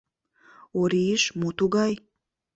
Ориш, мо тугай?..